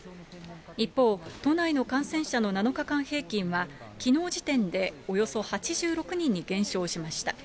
一方、都内の感染者の７日間平均は、きのう時点でおよそ８６人に減少しました。